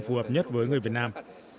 phù hợp nhất với người việt nam